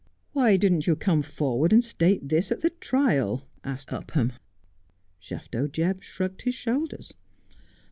' Why didn't you come forward and state this at the trial ?' asked Upham. Shafto Jebb shrugged his shoulders.